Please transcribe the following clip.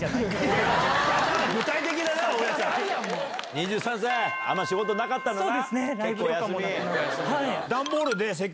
２３歳あんま仕事なかったんだな。